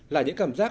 là những cảm giác